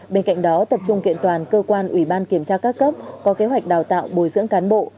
bên cạnh đó tập trung kiện toàn cơ quan ủy ban kiểm tra các cấp có kế hoạch đào tạo bồi dưỡng cán bộ